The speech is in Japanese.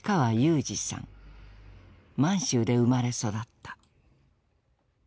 満州で生まれ育った。